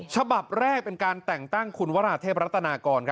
ฉบับแรกเป็นการแต่งตั้งคุณวราเทพรัตนากร